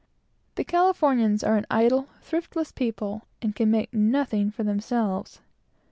The Californians are an idle, thriftless people, and can make nothing for themselves.